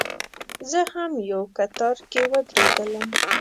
زه هم یو کتار کې ودرېدلم.